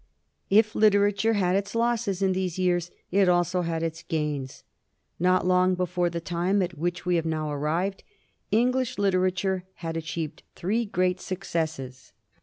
If literature had its losses in these years, it had also its gains. Not long before the time at which we have now arrived English literature had achieved three great successes.